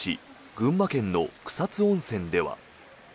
群馬県の草津温泉では。